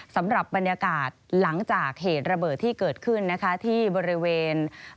สำหรับบรรยากาศหลังจากเหตุระเบิดที่เกิดขึ้นนะคะที่บริเวณ